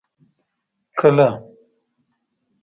کله.